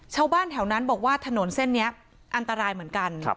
ชาวบ้านแถวนั้นบอกว่าถนนเส้นนี้อันตรายเหมือนกัน